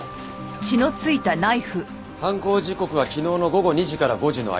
犯行時刻は昨日の午後２時から５時の間。